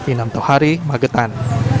inam tohari magetan